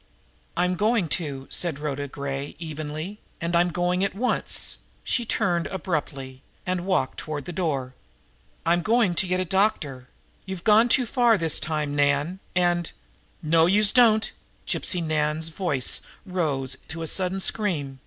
"I am going to," said Rhoda Gray evenly. "And I'm going at once." She turned abruptly and walked toward the door. "I'm going to get a doctor. You've gone too far this time, Nan, and " "No, youse don't!" Gypsy Nan's voice rose in a sudden scream.